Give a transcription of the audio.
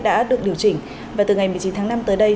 đã được điều chỉnh và từ ngày một mươi chín tháng năm tới đây